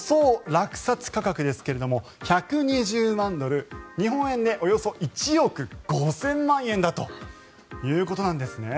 落札価格ですが１２０万ドル日本円でおよそ１億５０００万円だということなんですね。